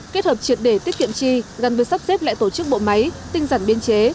kết hợp triệt để tiết kiệm chi gắn với sắp xếp lại tổ chức bộ máy tinh giản biên chế